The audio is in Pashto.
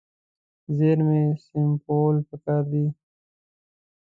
زیرمې سپمول پکار دي.